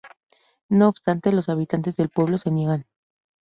No obstante, los habitantes del pueblo se niegan.